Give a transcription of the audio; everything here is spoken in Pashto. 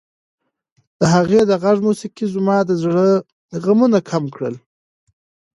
د هغې د غږ موسیقۍ زما د زړه غمونه کم کړل.